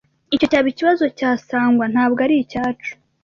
Icyo cyaba ikibazo cya Sangwa, ntabwo aricyacu.